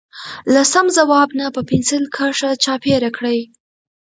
له سم ځواب نه په پنسل کرښه چاپېره کړئ.